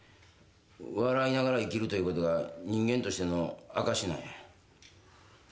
笑いながら生きるということは、人間としての証しなんや。